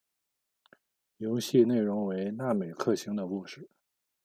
游戏内容为那美克星的故事。